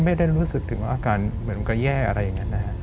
ไม่ได้รู้สึกถึงว่าอาการเงาแย่อะไรแบบนั้นนะฮ่ะ